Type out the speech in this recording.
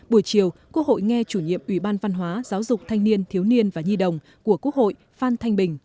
buổi chiều quốc hội nghe chủ nhiệm ủy ban văn hóa giáo dục thanh niên thiếu niên và nhi đồng của quốc hội phan thanh bình